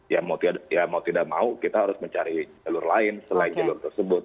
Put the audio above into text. ya mau tidak mau kita harus mencari jalur lain selain jalur tersebut